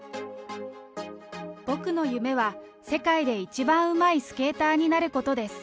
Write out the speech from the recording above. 僕の夢は、世界で一番うまいスケーターになることです。